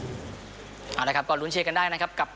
อาจารย์ครับกอมรุนเชยกันได้นะครับ